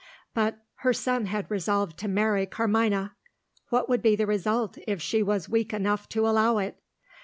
But her son had resolved to marry Carmina. What would be the result if she was weak enough to allow it?